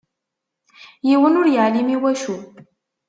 Yiwen ur yeɛlim iwacu.